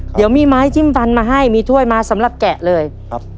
เดี๋ยวมีไม้จิ้มฟันมาให้มีถ้วยมาสำหรับแกะเลยครับ